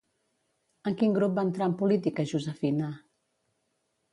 En quin grup va entrar en política Josefina?